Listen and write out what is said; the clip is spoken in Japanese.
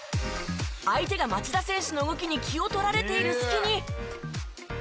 相手が町田選手の動きに気を取られている隙に。